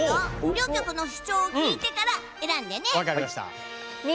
両局の主張を聞いてから決めてね。